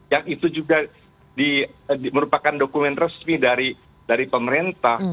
yang itu juga merupakan dokumen resmi dari pemerintah